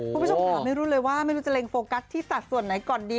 คุณผู้ชมค่ะไม่รู้เลยว่าไม่รู้จะเล็งโฟกัสที่สัดส่วนไหนก่อนดี